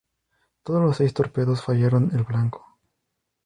Todos los seis torpedos fallaron el blanco.